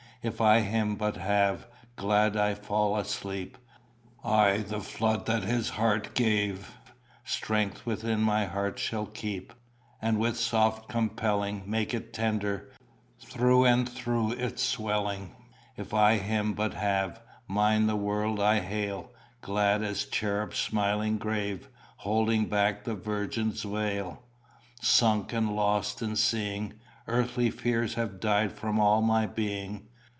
If I Him but have, Glad I fall asleep; Aye the flood that his heart gave Strength within my heart shall keep, And with soft compelling Make it tender, through and through it swelling. If I Him but have, Mine the world I hail! Glad as cherub smiling grave, Holding back the virgin's veil. Sunk and lost in seeing, Earthly fears have died from all my being.